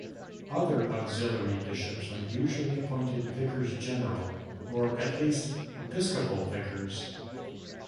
Other auxiliary bishops are usually appointed vicars general or at least episcopal vicars.